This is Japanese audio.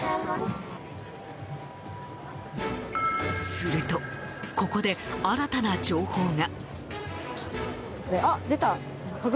すると、ここで新たな情報が。